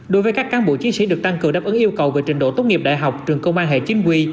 đối với các cán bộ chiến sĩ được tăng cường đáp ứng yêu cầu về trình độ tốt nghiệp đại học trường công an hệ chính quy